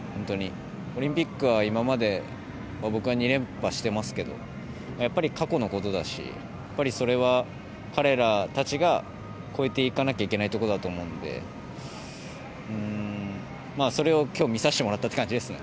オリンピックは今まで僕が２連覇していますが過去のことだしそれは彼らたちが超えていかなきゃいけないところだと思うのでそれを今日見させてもらったということですね。